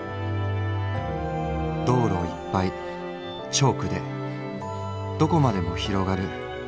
道路いっぱいチョークでどこまでも拡がる。